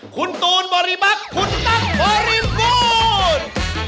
คุณตูนบริบักษ์คุณตั๊กบริบูรณ์